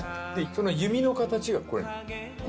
その弓の形がこれ。